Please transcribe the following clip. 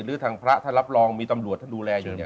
หรือทางพระท่านรับรองมีตำรวจท่านดูแลอยู่เนี่ย